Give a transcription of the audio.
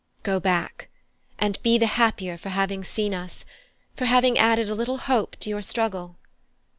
Go back and be the happier for having seen us, for having added a little hope to your struggle.